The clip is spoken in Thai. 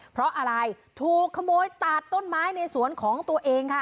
เพราะอะไรถูกขโมยตัดต้นไม้ในสวนของตัวเองค่ะ